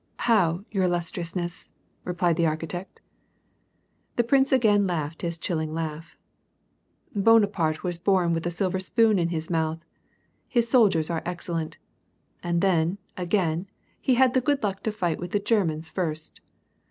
"How, your Illustriousness ?" replied the architect. The prince again laughed his chilling laugh. " Bonaparte was bom with a silver spoon in his mouth.* His soldiers are excellent. And then, again, he had the good luck to fight with the Germans first.